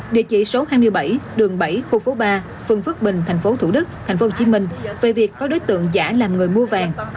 nghị trị số hai mươi bảy đường bảy khu phố ba phương phước bình thành phố thủ đức thành phố hồ chí minh về việc có đối tượng giả làm người mua vàng